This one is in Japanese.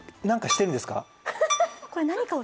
何かしてるんですか？